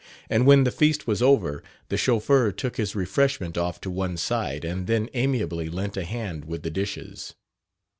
And when the feast was over, the chauffeur took his refreshment off to one side, and then amiably lent a hand with the dishes.